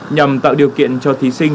nhằm tạo điều kiện cho thí sinh